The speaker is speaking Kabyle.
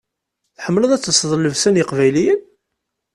Tḥemmleḍ ad telseḍ llebsa n yeqbayliyen?